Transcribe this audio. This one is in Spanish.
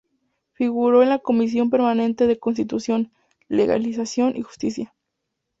Figuró en la comisión permanente de Constitución, Legislación y Justicia.